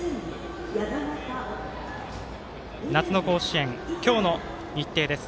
夏の甲子園、今日の日程です。